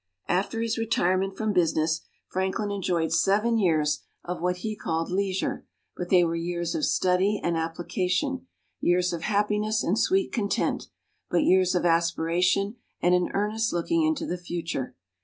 After his retirement from business, Franklin enjoyed seven years of what he called leisure, but they were years of study and application; years of happiness and sweet content, but years of aspiration and an earnest looking into the future.